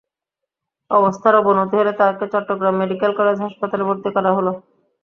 অবস্থার অবনতি হলে তাঁকে চট্টগ্রাম মেডিকেল কলেজ হাসপাতালে ভর্তি করা হয়।